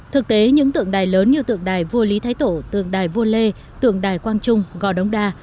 thực tế những tượng đài lớn như tượng đài vua lý thái tổ tượng đài vua lê tượng đài quang trung gò đống đa